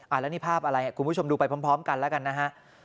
แล้วนี่ภาพอะไรคุณผู้ชมดูไปพร้อมกันแล้วกันนะฮะ